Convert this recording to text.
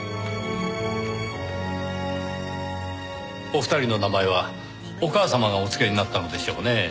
お二人の名前はお母様がお付けになったのでしょうねぇ。